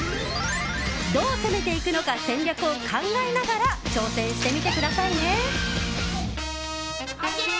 どう攻めていくのか戦略を考えながら挑戦してみてくださいね。